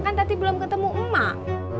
kan tadi belum ketemu emak